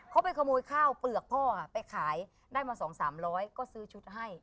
เขาไปขโมยข้าวเปลือกพ่อไปขายได้มา๒๓๐๐ก็ซื้อชุดให้